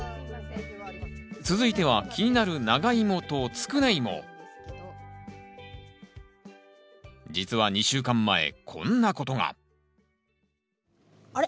続いては気になる実は２週間前こんなことがあれ？